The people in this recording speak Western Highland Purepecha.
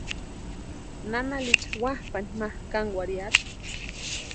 Nana Licha wapʼani ma kánkwarhiati.